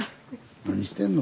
何してんの？